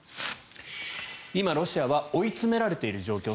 今、ロシアは追い詰められている状況。